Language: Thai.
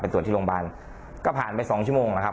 ตรวจที่โรงพยาบาลก็ผ่านไปสองชั่วโมงนะครับ